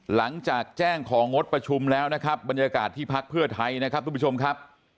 หลังจากแจ้งของงดประชุมแล้วนะครับบรรยากาศที่พักเพื่อไทยนะครับทุกผู้ชมครับ